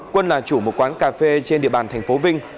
quân là chủ một quán cà phê trên địa bàn tp vinh